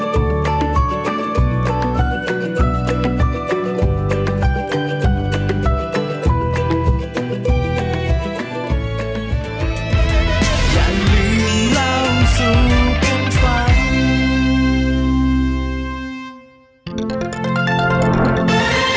สวัสดีครับ